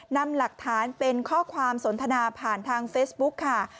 นำหลักฐานเป็นข้อความสนทนาผ่านทางเฟซบุ๊คค่ะ